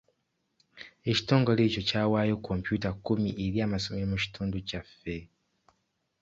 Ekitongole ekyo kyawaayo kompyuta kkumi eri amasomero mu kitundu kyaffe.